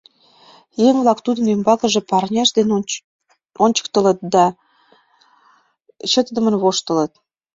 Еҥ-влак тудын ӱмбакыже парняшт дене ончыктылыт да чытыдымын воштылыт.